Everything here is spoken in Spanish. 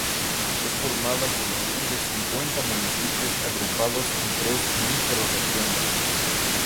Es formada por la unión de cincuenta municipios agrupados en tres microrregiones.